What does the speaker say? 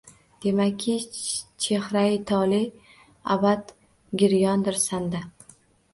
Demakki, chehrai tole abad giryondir sanda